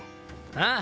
ああ